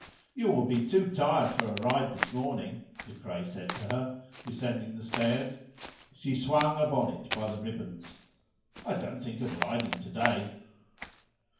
"You will be too tired for a ride this morning," De Craye said to her, descending the stairs. She swung a bonnet by the ribands. "I don't think of riding to day."